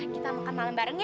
kita makan malem bareng ya